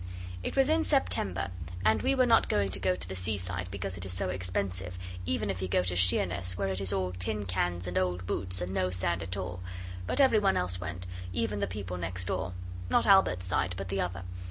It was in September, and we were not to go to the seaside because it is so expensive, even if you go to Sheerness, where it is all tin cans and old boots and no sand at all. But every one else went, even the people next door not Albert's side, but the other.